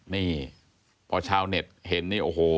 นี่พอชาวเน็ตเห็นนี่โอ้โห